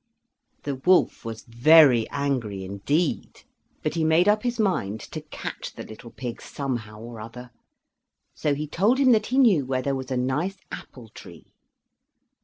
The wolf was very angry indeed; but he made up his mind to catch the little pig somehow or other; so he told him that he knew where there was a nice apple tree.